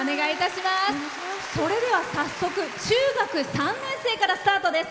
それでは早速、中学３年生からスタートです。